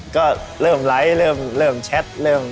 ก็เริ่มไลค์เริ่มแชท